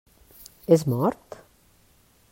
És mort?